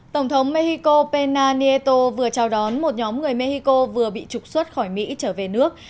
tổng thống mexico penato vừa chào đón một nhóm người mexico vừa bị trục xuất khỏi mỹ trở về nước